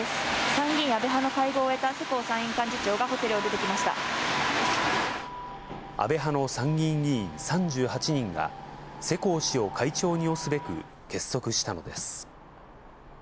参議院安倍派の会合を終えた世耕参院幹事長がホテルを出てきまし安倍派の参議院議員３８人が、世耕氏を会長に推すべく、結束したのです。